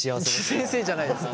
先生じゃないです。